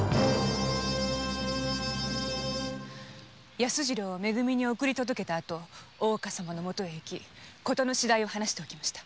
安次郎を「め組」に送り届けた後大岡様に事の次第を話しておきました。